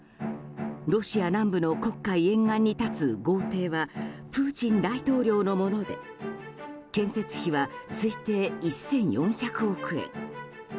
ロシア南部の黒海沿岸に立つ豪邸はプーチン大統領のもので建設費は推定１４００億円。